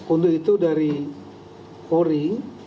untuk itu dari ori